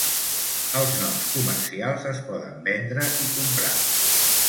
Els noms comercials es poden vendre i comprar.